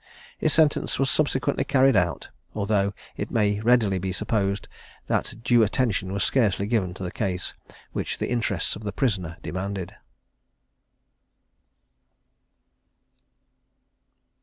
His sentence was subsequently carried out, although it may readily be supposed that that due attention was scarcely given to the case which the interests of the prisoner demanded.